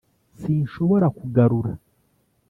sinshobora kugarura,